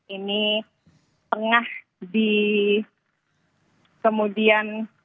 ini tengah di kemudian